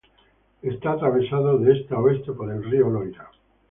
Está atravesado de este a oeste por el río Loira.